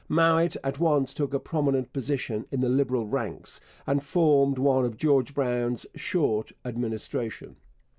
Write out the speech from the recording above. Mowat at once took a prominent position in the Liberal ranks, and formed one of George Brown's 'Short Administration.'